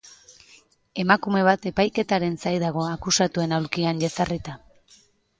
Emakume bat epaiketaren zai dago akusatuen aulkian jezarrita.